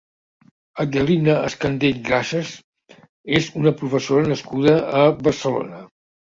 Adelina Escandell Grases és una professora nascuda a Barcelona.